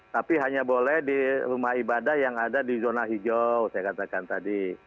tapi hanya boleh di rumah ibadah yang ada di zona hijau saya katakan tadi